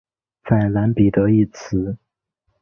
在蓝彼得一词。